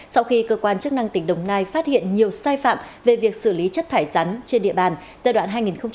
sau khi cơ quan chức năng tỉnh đồng nai phát hiện nhiều sai phạm về việc xử lý chất thải rắn trên địa bàn giai đoạn hai nghìn một mươi sáu hai nghìn hai mươi